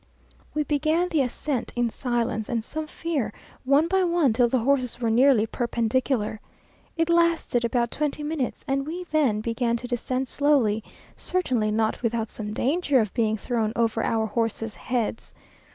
We began the ascent in silence, and some fear, one by one till the horses were nearly perpendicular. It lasted about twenty minutes; and we then began to descend slowly, certainly not without some danger of being thrown over our horses' heads.